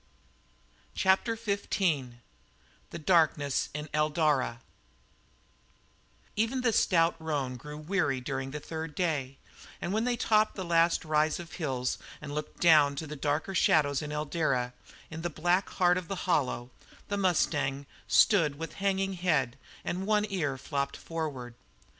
CHAPTER XV THE DARKNESS IN ELDARA Even the stout roan grew weary during the third day, and when they topped the last rise of hills, and looked down to darker shadows in Eldara in the black heart of the hollow, the mustang stood with hanging head, and one ear flopped forward.